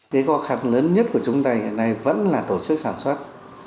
cái khó khăn lớn nhất của chúng ta hiện nay vẫn là tổ chức sản xuất